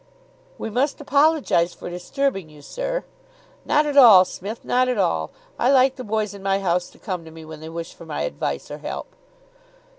"We must apologise for disturbing you, sir " "Not at all, Smith, not at all! I like the boys in my house to come to me when they wish for my advice or help."